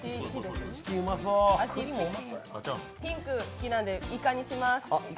ピンクが好きなのでいかにします。